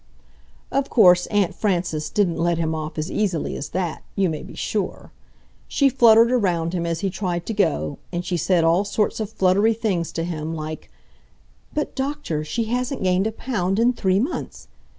Of course Aunt Frances didn't let him off as easily as that, you may be sure. She fluttered around him as he tried to go, and she said all sorts of fluttery things to him, like "But, Doctor, she hasn't gained a pound in three months